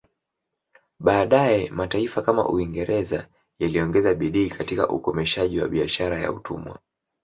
Baadaye mataifa kama Uingereza yaliongeza bidii katika ukomeshaji wa biashara ya utumwa